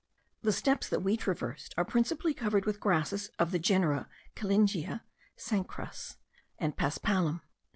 The steppes that we traversed are principally covered with grasses of the genera Killingia, Cenchrus, and Paspalum.